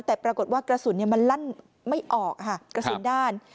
แต่ปรากฏว่ากระสุนมันลั่นไม่ออกค่ะกระสุนด้าน